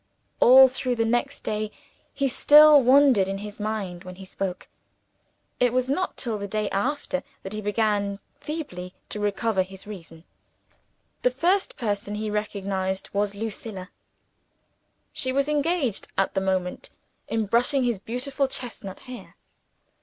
All through the next day, he still wandered in his mind when he spoke. It was not till the day after, that he began feebly to recover his reason. The first person he recognized was Lucilla. She was engaged at the moment in brushing his beautiful chestnut hair.